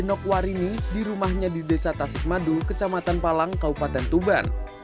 inok warini di rumahnya di desa tasik madu kecamatan palang kabupaten tuban